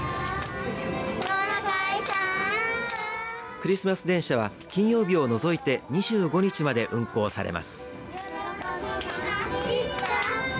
クリスマス電車は金曜日を除いて２５日まで運行されます。